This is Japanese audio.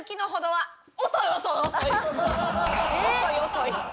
遅い遅い。